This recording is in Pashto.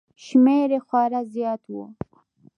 شمېر یې خورا زیات و